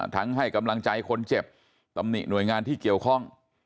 ให้กำลังใจคนเจ็บตำหนิหน่วยงานที่เกี่ยวข้อง